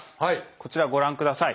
こちらご覧ください。